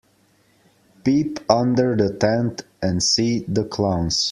Peep under the tent and see the clowns.